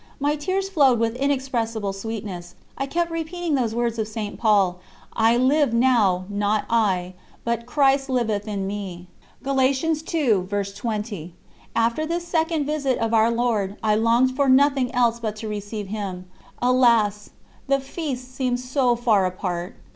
My tears flowed with inexpressible sweetness; I kept repeating those words of St. Paul: "I live now, not I; but Christ liveth in me." After this second visit of Our Lord I longed for nothing else but to receive Him. Alas! the feasts seemed so far apart.